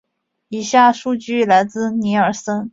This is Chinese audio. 以下数据来自尼尔森。